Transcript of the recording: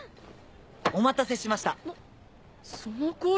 ・お待たせしました・その声。